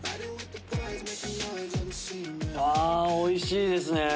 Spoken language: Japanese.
あおいしいですね！